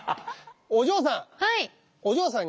お嬢さん。